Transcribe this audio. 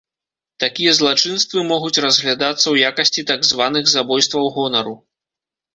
Такія злачынствы могуць разглядацца ў якасці так званых забойстваў гонару.